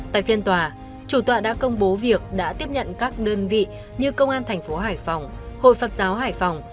tại phiên tòa chủ tọa đã công bố việc đã tiếp nhận các đơn vị như công an thành phố hải phòng hội phật giáo hải phòng